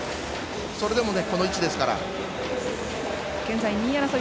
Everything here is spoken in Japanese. それでも、この位置ですから。